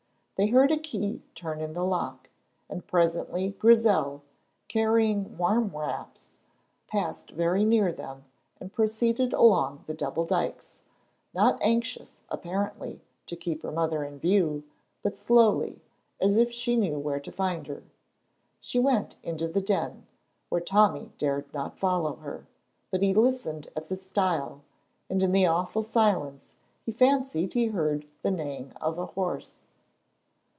They heard a key turn in the lock, and presently Grizel, carrying warm wraps, passed very near them and proceeded along the double dykes, not anxious apparently to keep her mother in view, but slowly, as if she knew where to find her. She went into the Den, where Tommy dared not follow her, but he listened at the stile and in the awful silence he fancied he heard the neighing of a horse.